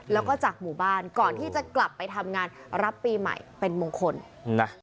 แล้วก็จากหมู่บ้านก่อนที่จะกลับไปทำงานรับปีใหม่เป็นมงคลนะ